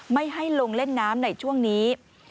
ไม่ให้ลงเล่นน้ำในช่วงนี้